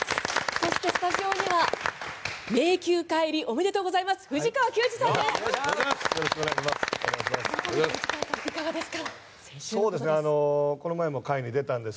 そして、スタジオには名球会入りおめでとうございます。